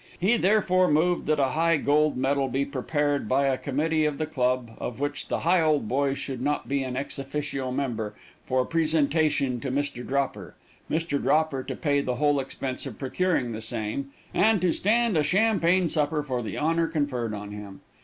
He therefore moved that a gold medal be prepared by a committee of the club, of which the Higholdboy should not be an ex officio member, for presentation to Mr. Dropper. Mr. Dropper to pay the whole expense of procuring the same, and to stand a champagne supper for the honor conferred on him.